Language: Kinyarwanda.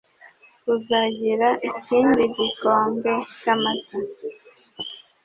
Uzagira ikindi gikombe cyamata?